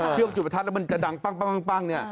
เชื่อว่าจุดประทัดแล้วมันจะดังปั้งเนี่ย